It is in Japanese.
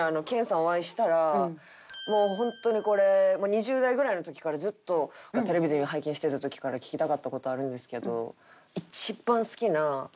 お会いしたらもうホントにこれ２０代ぐらいの時からずっとテレビで拝見してた時から聞きたかった事あるんですけど。